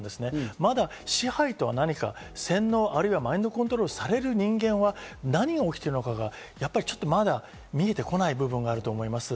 まだ支配とは何か、洗脳、マインドコントロールされる人間は何が起きているのかがやっぱりまだちょっと見えてこない部分があると思います。